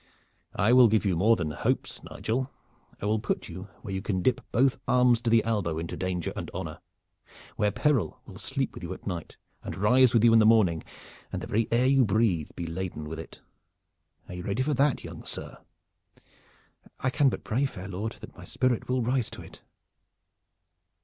"I will give you more than hopes, Nigel. I will put you where you can dip both arms to the elbow into danger and honor, where peril will sleep with you at night and rise with you in the morning and the very air you breathe be laden with it. Are you ready for that, young sir?" "I can but pray, fair lord, that my spirit will rise to it."